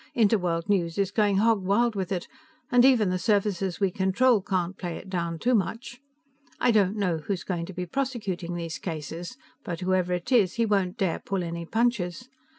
Interworld News is going hog wild with it, and even the services we control can't play it down too much. I don't know who's going to be prosecuting these cases; but whoever it is, he won't dare pull any punches.